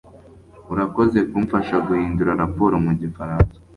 urakoze kumfasha guhindura raporo mu gifaransa